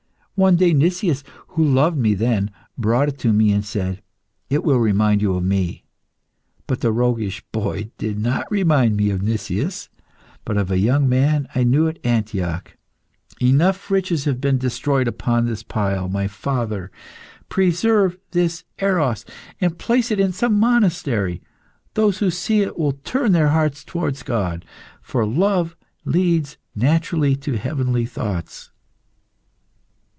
One day Nicias, who loved me then, brought it to me and said, 'It will remind you of me.' But the roguish boy did not remind me of Nicias, but of a young man I knew at Antioch. Enough riches have been destroyed upon this pile, my father! Preserve this Eros, and place it in some monastery. Those who see it will turn their hearts towards God, for love leads naturally to heavenly thoughts."